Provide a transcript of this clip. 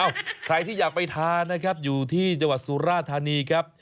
อ้าวใครที่อยากไปทานนะครับอยู่ที่จสุราธานีครับ